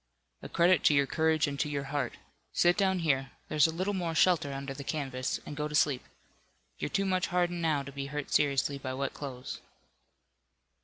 "A credit to your courage and to your heart. Sit down here. There's a little more shelter under the canvas, and go to sleep. You're too much hardened now to be hurt seriously by wet clothes."